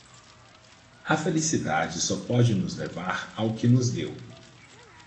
A felicidade só pode nos levar ao que nos deu.